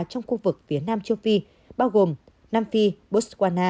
trong khu vực phía nam châu phi bao gồm nam phi botswana